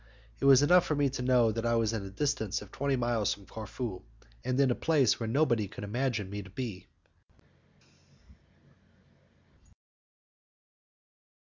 It was enough for me to know that I was at a distance of twenty miles from Corfu, and in a place where nobody could imagine me to be.